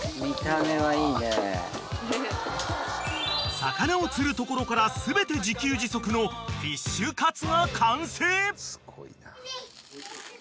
［魚を釣るところから全て自給自足のフィッシュカツが完成］